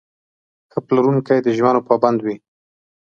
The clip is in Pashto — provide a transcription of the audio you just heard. ښه پلورونکی د ژمنو پابند وي.